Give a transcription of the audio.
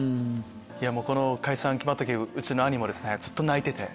この解散が決まった時はうちの兄もずっと泣いてて。